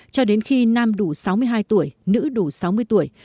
cho đến khi nam đủ sáu mươi hai tuổi nữ đủ sáu mươi tuổi